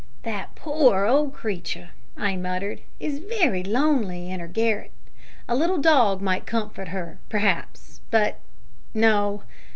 "That poor old creature," I muttered, "is very lonely in her garret; a little dog might comfort her. Perhaps but no.